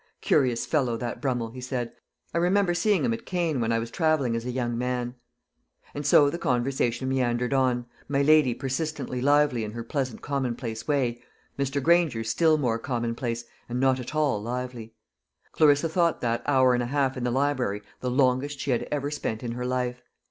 "Curious fellow, that Brummel," he said. "I remember seeing him at Caen, when I was travelling as a young man." And so the conversation meandered on, my lady persistently lively in her pleasant commonplace way, Mr. Granger still more commonplace, and not at all lively. Clarissa thought that hour and a half in the library the longest she had ever spent in her life.